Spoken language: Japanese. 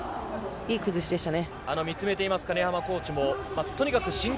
いい崩しでしたね。